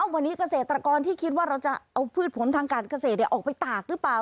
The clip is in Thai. วันนี้เกษตรกรที่คิดว่าเราจะเอาพืชผลทางการเกษตรออกไปตากหรือเปล่า